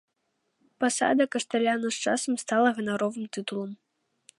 Пасада кашталяна з часам стала ганаровым тытулам.